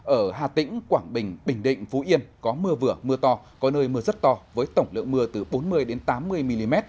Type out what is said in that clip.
ở hà tĩnh quảng bình bình định phú yên có mưa vừa mưa to có nơi mưa rất to với tổng lượng mưa từ bốn mươi tám mươi mm